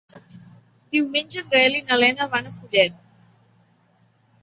Diumenge en Gaël i na Lena van a Fulleda.